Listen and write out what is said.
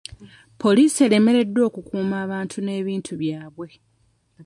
Poliisi eremereddwa okukuuma abantu n'ebintu byabwe.